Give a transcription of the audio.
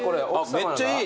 めっちゃいい。